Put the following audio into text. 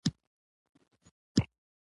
کتابچه زموږ له خوبونو سره ملګرې ده